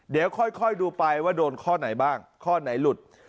เดี๋ยวค่อยดูไปว่าโดนข้อไหนบ้างข้อไหนหลุด